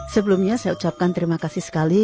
sebelumnya saya ucapkan terima kasih sekali